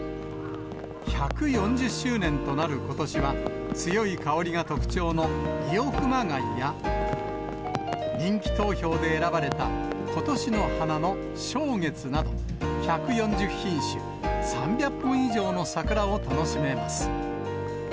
１４０周年となることしは、強い香りが特徴の伊予熊谷や、人気投票で選ばれた、ことしの花の松月など、１４０品種３００本以上の桜を楽しめます。